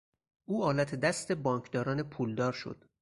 او آلت دست بانکداران پولدار شد.